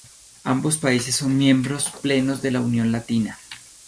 Ambos países son miembros plenos de la Unión Latina.